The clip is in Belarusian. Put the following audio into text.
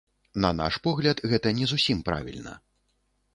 На наш погляд, гэта не зусім правільна.